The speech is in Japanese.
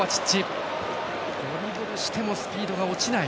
ドリブルしてもスピードが落ちない。